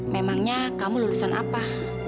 memangnya kamu lulusan apa